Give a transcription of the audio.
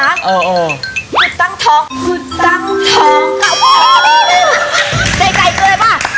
เออเออขุดตั้งท้องขุดตั้งท้องค่ะในใจเกินป่ะ